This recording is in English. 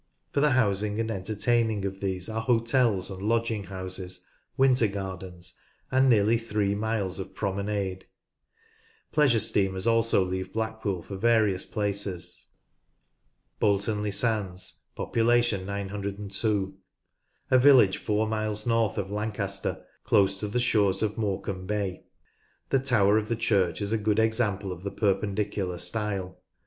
For the housing and entertaining of these are hotels and lodging houses, winter gardens, and nearly three miles of promenade. Pleasure steamers also leave Blackpool for various places, (pp. 44, 59, 6r, 96, 97, 146, 148.) Bolton le Sands (902). A village four miles north of Lancaster, close to the shores of Morecambe Bay. The tower of the church is a good example of the Perpendicular style.